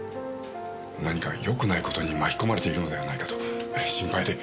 何かよくない事に巻き込まれているのではないかと心配で。